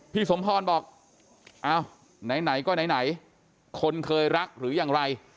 สมพรบอกเอ้าไหนก็ไหนคนเคยรักหรือยังไร